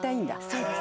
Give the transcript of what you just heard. そうです。